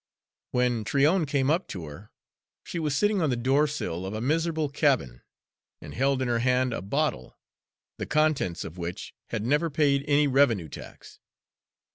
When Tryon came up to her, she was sitting on the doorsill of a miserable cabin, and held in her hand a bottle, the contents of which had never paid any revenue tax.